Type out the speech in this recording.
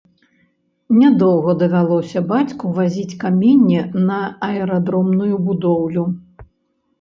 Нядоўга давялося бацьку вазіць каменне на аэрадромную будоўлю.